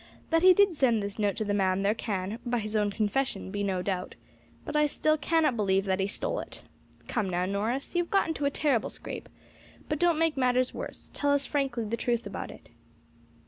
That he did send this note to the man there can, by his own confession, be no doubt, but I still cannot believe that he stole it. Come now, Norris, you have got into a terrible scrape, but don't make matters worse; tell us frankly the truth about it."